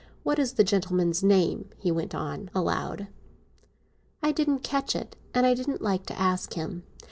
What is the gentleman's name?" he went on, aloud. "I didn't catch it, and I didn't like to ask him.